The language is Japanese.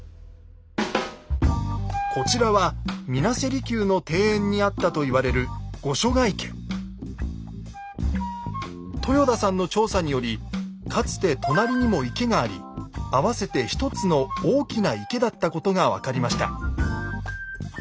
こちらは水無瀬離宮の庭園にあったと言われる豊田さんの調査によりかつて隣にも池があり合わせて１つの大きな池だったことが分かりました。